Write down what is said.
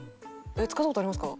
使った事ありますか？